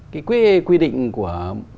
cái quy định của một trăm linh một